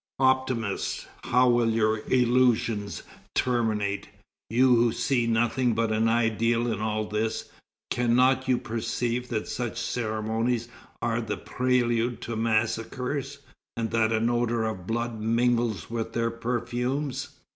Optimists, how will your illusions terminate? You who see nothing but an idyl in all this, can not you perceive that such ceremonies are the prelude to massacres, and that an odor of blood mingles with their perfumes?